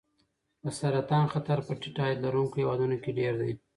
د سرطان خطر په ټیټ عاید لرونکو هېوادونو کې ډېر دی.